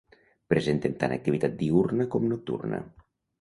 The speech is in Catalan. Presenten tant activitat diürna com nocturna.